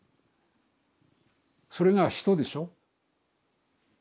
それが人でしょ。